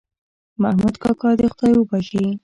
محمود کاکا دې خدای وبښي